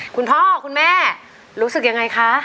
คุณพ่อคุณแม่รู้สึกยังไงคะ